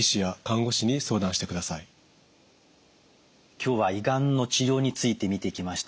今日は胃がんの治療について見てきました。